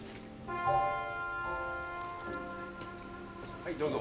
はいどうぞ。